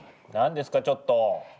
何ですかちょっと。